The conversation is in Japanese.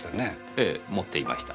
ええ持っていました。